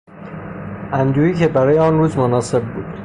اندوهی که برای آن روز مناسب بود